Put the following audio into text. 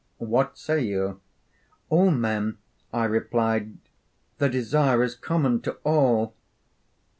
what say you?' 'All men,' I replied; 'the desire is common to all.'